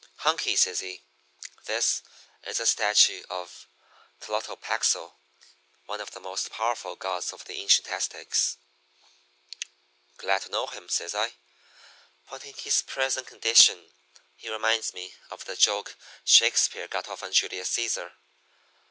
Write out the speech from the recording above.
"'Hunky,' says he, 'this is a statue of Tlotopaxl, one of the most powerful gods of the ancient Aztecs.' "'Glad to know him,' says I, 'but in his present condition he reminds me of the joke Shakespeare got off on Julius Cæsar.